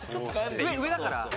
上だから。